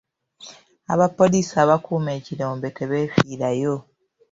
Abapoliisi abakuuma ekirombe tebeefiirayo.